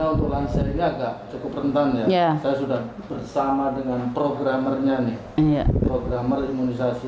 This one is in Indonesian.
untuk lansia ini agak cukup rentan ya saya sudah bersama dengan programmernya nih programmer imunisasi